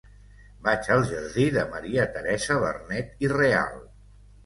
Vaig al jardí de Maria Teresa Vernet i Real.